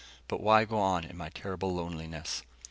But why go on in my terrible loneliness?